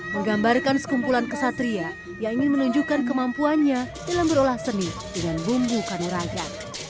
menggambarkan sekumpulan kesatria yang ingin menunjukkan kemampuannya dalam berolah seni dengan bumbu kanuraja